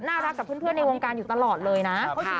รักกับเพื่อนในวงการอยู่ตลอดเลยนะ